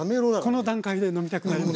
この段階で飲みたくなります。